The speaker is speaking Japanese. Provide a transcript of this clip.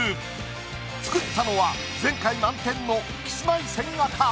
作ったのは前回満点のキスマイ・千賀か？